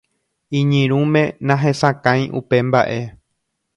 Iñirũme nahesakãi upe mba'e.